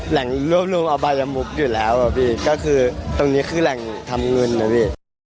แหล่งรวบรวมอบายมุกอยู่แล้วอ่ะพี่ก็คือตรงนี้คือแหล่งทำเงินนะพี่